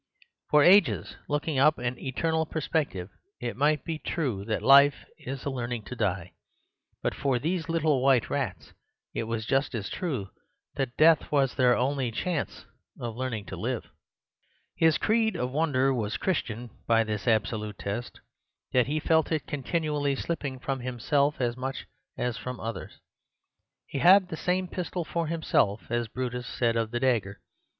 For ages looking up an eternal perspective it might be true that life is a learning to die. But for these little white rats it was just as true that death was their only chance of learning to live.' "His creed of wonder was Christian by this absolute test; that he felt it continually slipping from himself as much as from others. He had the same pistol for himself, as Brutus said of the dagger.